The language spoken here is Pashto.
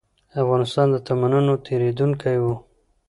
افغانستان د تمدنونو تېرېدونکی و.